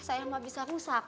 saya mah bisa rusak